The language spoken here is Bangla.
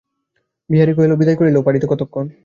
বিহারী কহিল, বিদায় করিলেও ফিরিতে কতক্ষণ।